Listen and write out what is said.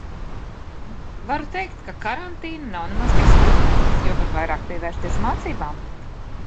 Varu teikt, ka karantīna nav nemaz tik slikta, jo var vairāk pievērsties mācībām.